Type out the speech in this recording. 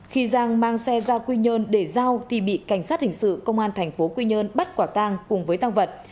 khi giang mang xe ra quy nhơn để giao thì bị cảnh sát hình sự công an thành phố quy nhơn bắt quả tang cùng với tăng vật